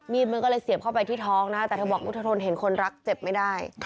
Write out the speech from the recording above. มันก็เลยเสียบเข้าไปที่ท้องนะแต่เธอบอกพุทธทนเห็นคนรักเจ็บไม่ได้